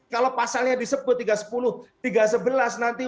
kalau pasalnya disebut tiga ratus sepuluh tiga ratus sebelas nanti